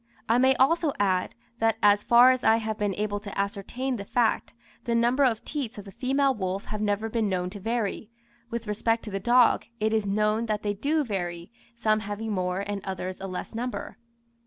I may also add, that as far as I have been able to ascertain the fact, the number of teats of the female wolf have never been known to vary. With respect to the dog, it is known that they do vary, some having more, and others a less number.